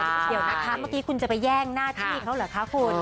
เดี๋ยวนะคะเมื่อกี้คุณจะไปแย่งหน้าที่เขาเหรอคะคุณ